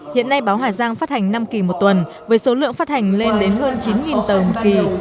hiện nay báo hà giang phát hành năm kỳ một tuần với số lượng phát hành lên đến hơn chín tờ một kỳ